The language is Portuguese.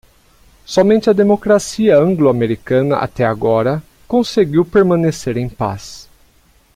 Somente a democracia anglo-americana, até agora, conseguiu permanecer em paz.